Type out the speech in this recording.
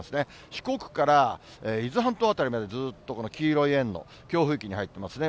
四国から伊豆半島辺りまでずっとこの黄色い円の強風域に入ってますね。